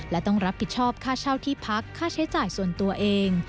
และต้องรับผิดชอบค่าเช่าที่พักค่าใช้จ่ายส่วนตัวเอง